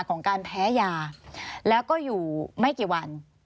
ของการแพ้ยา